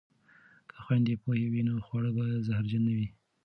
که خویندې پوهې وي نو خواړه به زهرجن نه وي.